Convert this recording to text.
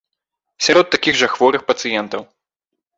Сярод такіх жа хворых пацыентаў!